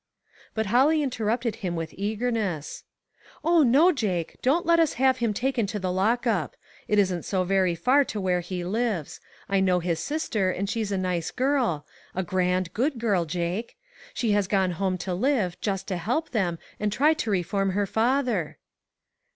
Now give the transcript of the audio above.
But Holly interrupted him with eager ness. " Oh, no, Jake ; don't let us have him taken to the lockup. It isn't so very far to where he lives ; I know his sister, and she is a nice girl ; a grand, good girl, Jake. She has gone home to live, just to help them and try to reform her father."